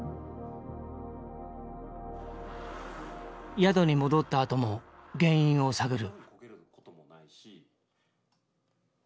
宿に戻ったあとも原因を探る。